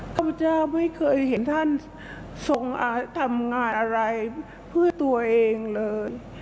ข้าพเจ้าไม่เคยเห็นท่านทรงทำงานอะไรเพื่อตัวเองเลย